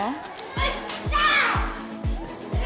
よっしゃ！